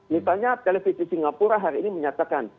misalnya televisi singapura hari ini menyatakan